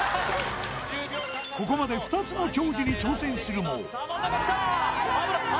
ここまで２つの競技に挑戦するも足足！